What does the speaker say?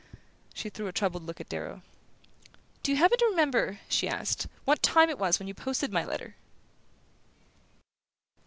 She threw a troubled look at Darrow. "Do you happen to remember," she asked, "what time it was when you posted my letter?"